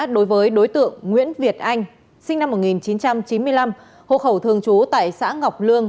đối với đối tượng nguyễn việt anh sinh năm một nghìn chín trăm chín mươi năm hộ khẩu thường trú tại xã ngọc lương